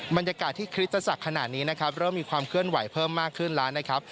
บรรยากาศที่คริสตจักรขนาดนี้นะครับเริ่มมีความเคลื่อนไหวเพิ่มมากขึ้นแล้วนะครับ